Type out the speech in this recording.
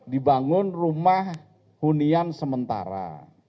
dibangun rumah hunian sementara